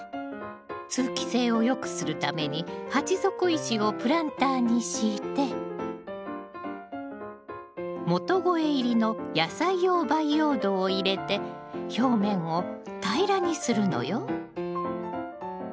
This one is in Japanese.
通気性を良くするために鉢底石をプランターに敷いて元肥入りの野菜用培養土を入れて表面を平らにするのよ。